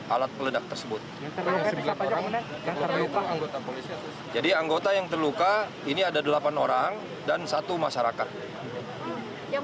alat peledak tersebut jadi anggota yang terluka ini ada delapan orang dan satu masyarakat yang